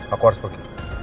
aku harus pergi